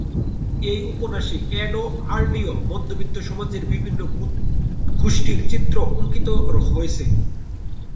এই উপন্যাসে এডওয়ার্ডীয় মধ্যবিত্ত সমাজের বিভিন্ন গোষ্ঠীর চিত্র অঙ্কিত হয়েছে।